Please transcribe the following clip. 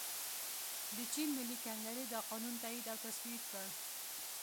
د چین ملي کنګرې دا قانون تائید او تصویب کړ.